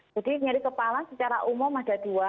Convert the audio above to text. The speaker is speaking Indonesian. jadi nyeri kepala secara umum ada dua